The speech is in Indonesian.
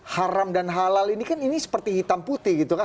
haram dan halal ini kan ini seperti hitam putih